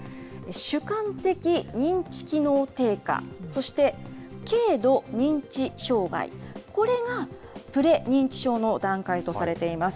主観的認知機能低下、そして軽度認知障害、これがプレ認知症の段階とされています。